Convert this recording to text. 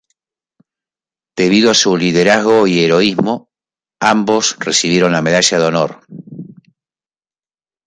Debido a su liderazgo y heroísmo, ambos recibieron la Medalla de Honor.